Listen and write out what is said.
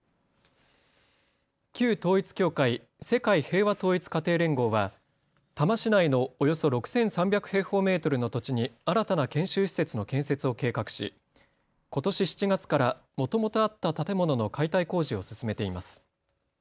旧統一教会、世界平和統一家庭連合は多摩市内のおよそ６３００平方メートルの土地に新たな研修施設の建設を計画しことし７月からもともとあった建物の解体工事を進めています。